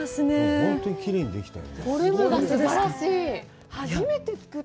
本当にきれいにできたよね。